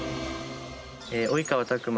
及川拓真